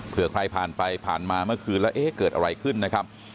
เพื่อใครผ่านไปผ่านมาเมื่อคืนแล้วเอ๊ะเกิดอะไรขึ้นนะครับ